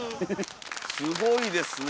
すごいですね。